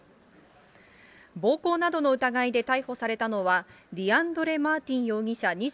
暴行などの疑いで逮捕されたのは、ディアンドレ・マーティン容疑者